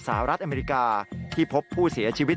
สหรัฐอเมริกาที่พบผู้เสียชีวิต